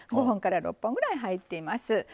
５本から６本ぐらい入っています。